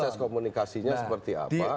proses komunikasinya seperti apa